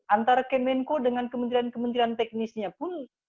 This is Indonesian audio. antara kemenko dengan kementerian kementerian teknisnya pun